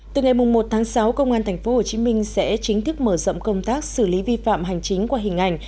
từ ngày một tháng sáu công an tp hcm sẽ chính thức mở rộng công tác xử lý vi phạm hành chính qua hình ảnh